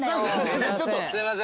すいません。